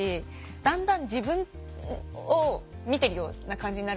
だんだん自分を見てるような感じになるから。